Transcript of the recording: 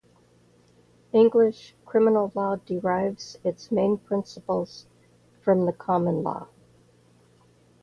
English criminal law derives its main principles from the common law.